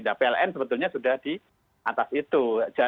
nah pln sebetulnya sudah di atas itu